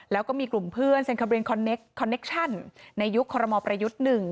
แล้วก็มีกลุ่มเพื่อนเซ็นคาเบียนคอนเนคชั่นในยุคคอรมอลประยุทธ์๑